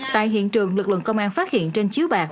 tại hiện trường lực lượng công an phát hiện trên chiếu bạc